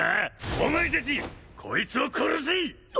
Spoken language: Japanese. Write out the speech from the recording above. お前達こいつを殺せ！